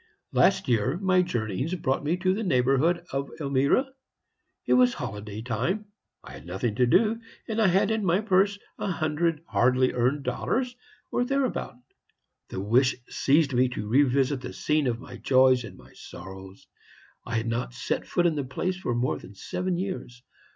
"Last year, my journeyings brought me to the neighborhood of Elmira. It was holiday time. I had nothing to do, and I had in my purse a hundred hardly earned dollars, or thereabout. The wish seized me to revisit the scene of my joys and my sorrows. I had not set foot in the place for more than seven years.